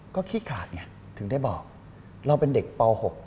ก็ขี้ขาดไงถึงได้บอกเราเป็นเด็กป๖